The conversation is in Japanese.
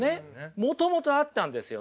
もともとあったんですよね。